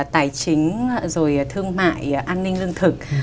tài chính rồi thương mại an ninh lương thực